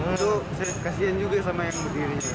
itu saya kasihan juga sama yang berdiri